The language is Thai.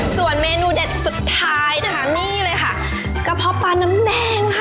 ส่วนเมนูเด็ดสุดท้ายนะคะนี่เลยค่ะกระเพาะปลาน้ำแดงค่ะ